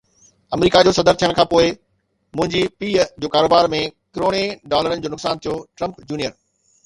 آمريڪا جو صدر ٿيڻ کانپوءِ منهنجي پيءُ جو ڪاروبار ۾ ڪروڙين ڊالرن جو نقصان ٿيو، ٽرمپ جونيئر